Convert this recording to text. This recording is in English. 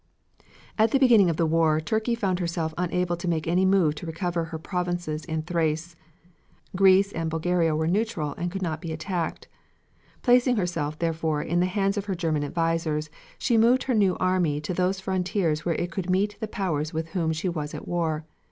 At the beginning of the war Turkey found herself unable to make any move to recover her provinces in Thrace. Greece and Bulgaria were neutral, and could not be attacked. Placing herself, therefore, in the hands of her German advisers, she moved her new army to those frontiers where it could meet the powers with whom she was at war.